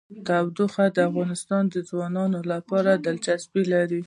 تودوخه د افغان ځوانانو لپاره دلچسپي لري.